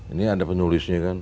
ini ada penulisnya